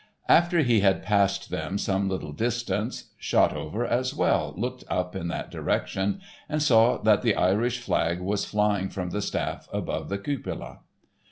After he had passed them some little distance, Shotover, as well, looked up in that direction and saw that the Irish flag was flying from the staff above the cupola.